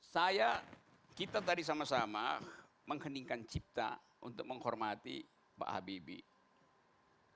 saya kita tadi sama sama mengheningkan cipta untuk menghormati pak habibie